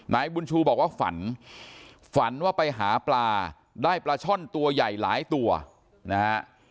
นายบุญชูบอกว่าฝันฝันว่าไปหาปลาได้ปลาช่อนตัวใหญ่หลายตัวนะฮะ